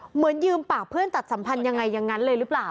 เหมือนยืมปากเพื่อนตัดสัมพันธ์ยังไงอย่างนั้นเลยหรือเปล่า